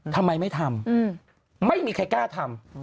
ทำไมไม่ทำไม่มีใครกล้าทำ